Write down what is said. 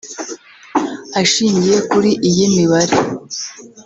Ashingiye kuri iyi mibare